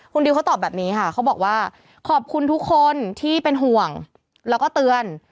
คุณดิวเขาตอบแบบนี้ค่ะเขาบอกว่าขอบคุณทุกคนที่เป็นห่วงแล้วก็เตือน